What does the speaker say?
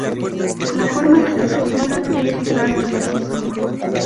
La forma de la escultura es de claro clasicismo.